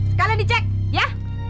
sekalian dicek ya